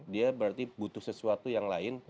dia berarti butuh sesuatu yang lain